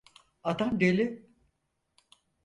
Adam deli.